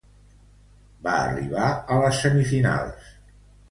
Va arribar a les semifinals.